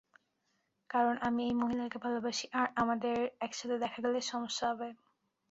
কারণ আমি এই মহিলাকে ভালোবাসি আর আমাদের একসাথে দেখা গেলে সমস্যা হবে।